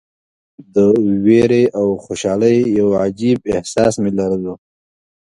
د ویرې او خوشالۍ یو عجیب احساس مې لرلو.